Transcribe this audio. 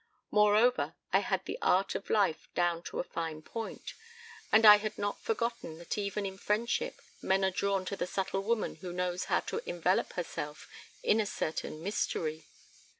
Moreover, I had the art of life down to a fine point, and I had not forgotten that even in friendship men are drawn to the subtle woman who knows how to envelop herself in a certain mystery.